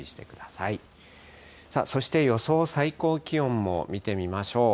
さあ、そして予想最高気温も見てみましょう。